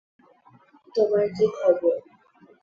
তোমার কি খবর?